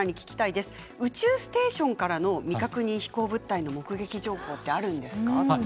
宇宙ステーションからの未確認飛行物体の目撃情報はあるんですか？